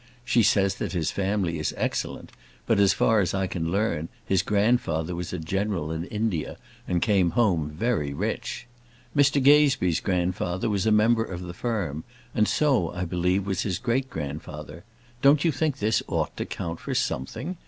She says that his family is excellent; but as far as I can learn, his grandfather was a general in India, and came home very rich. Mr Gazebee's grandfather was a member of the firm, and so, I believe, was his great grandfather. Don't you think this ought to count for something?